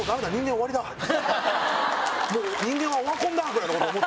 もう人間はオワコンだ！ぐらいのこと思って。